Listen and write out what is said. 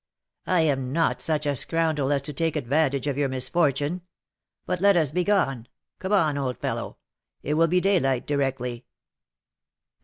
"I am not such a scoundrel as to take advantage of your misfortune. But let us begone. Come on, old fellow; it will be daylight directly."